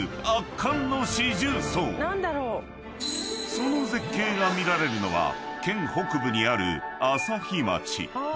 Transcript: ［その絶景が見られるのは県北部にある］